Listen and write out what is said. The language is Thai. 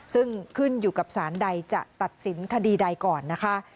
ซึ่งขึ้นอยู่กับสารใดจะตัดสินคดีใดก่อนนะคะ